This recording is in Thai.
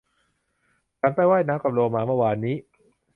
ฉันไปว่ายน้ำกับโลมาเมื่อวานนี้